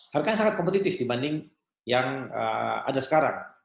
harganya sangat kompetitif dibanding yang ada sekarang